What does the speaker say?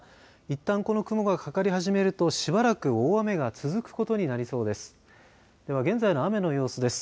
いったんこの雲がかかり始めるとしばらく大雨が続くことになりそうです。